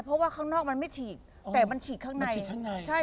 เพราะว่าข้างนอกมันไม่ฉีกแต่มันฉีกข้างใน